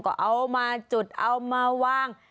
ก็เอามาจุดเอามาวาง